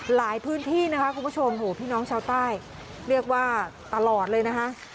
หลายพื้นที่นะคะคุณผู้ชมโหพี่น้องชาวใต้เรียกว่าตลอดเลยนะคะ